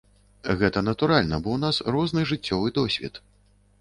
Гэта натуральна, бо ў нас розны жыццёвы досвед.